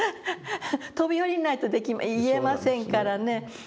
飛び降りないと言えませんからね。